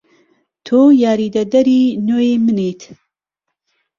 تۆ یاریدەدەری نوێی منیت.